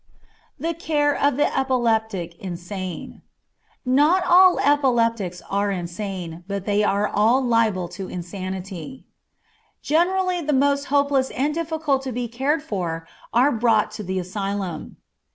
The Care of the Epileptic Insane. Not all epileptics are insane, but they are all liable to insanity. Generally the most hopeless and difficult to be cared for are brought to the asylum.